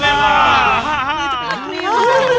นี่จะพันนิ้ว